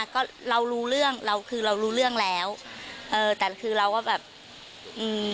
ก็เรารู้เรื่องเราคือเรารู้เรื่องแล้วเออแต่คือเราก็แบบอืม